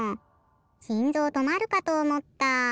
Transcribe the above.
しんぞうとまるかとおもった。